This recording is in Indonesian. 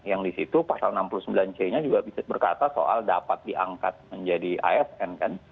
yang di situ pasal enam puluh sembilan c nya juga bisa berkata soal dapat diangkat menjadi asn kan